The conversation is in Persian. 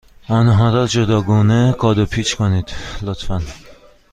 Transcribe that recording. آنها را جداگانه کادو پیچ کنید، لطفا.